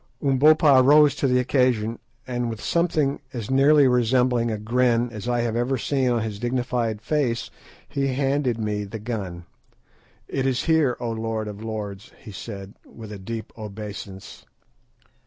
Umbopa rose to the occasion, and with something as nearly resembling a grin as I have ever seen on his dignified face he handed me the gun. "It is here, O Lord of Lords," he said with a deep obeisance.